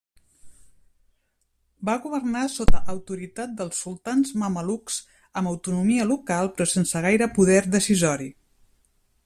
Va governar sota autoritat dels sultans mamelucs, amb autonomia local però sense gaire poder decisori.